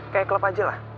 kayak klub aja lah